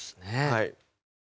はい。